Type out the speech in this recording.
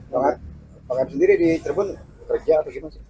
pak abis sendiri di cirebon kerja atau gimana